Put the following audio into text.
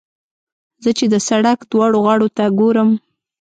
زه چې د سړک دواړو غاړو ته ګورم.